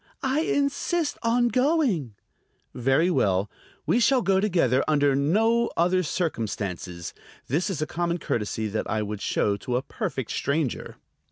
"I insist on going." "Very well; we shall go together; under no other circumstances. This is a common courtesy that I would show to a perfect stranger."